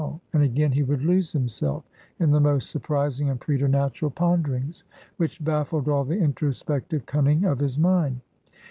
and again he would lose himself in the most surprising and preternatural ponderings, which baffled all the introspective cunning of his mind.